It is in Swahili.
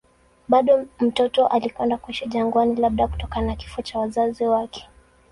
Bado mtoto alikwenda kuishi jangwani, labda kutokana na kifo cha wazazi.